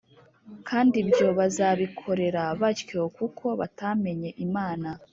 Kandi ibyo bazabikorera batyo kuko batamenye Imana